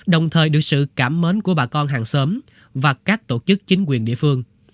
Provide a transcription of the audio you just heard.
đồng thời được sự cảm mến của bà con hàng xóm và các tổ chức chính quyền địa phương